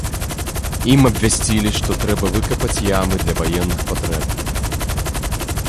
Ім абвясцілі, што трэба выкапаць ямы для ваенных патрэб.